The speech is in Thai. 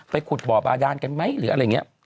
ขุดบ่อบาดานกันไหมหรืออะไรอย่างนี้